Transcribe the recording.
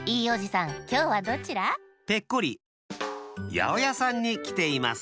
やおやさんにきています。